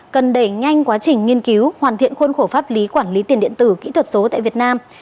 cần đẩy nhanh quá trình nghiên cứu hoàn thiện khuôn khổ pháp lý quản lý tiền điện tử kỹ thuật số tại việt nam